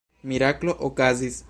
Miraklo okazis.